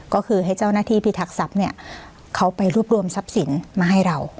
ก็คือให้เจ้าหน้าที่พิทักษัพเนี่ยเขาไปรวบรวมทรัพย์สินมาให้เรา